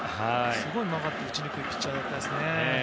すごい曲がって打ちにくいピッチャーですね。